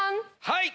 はい！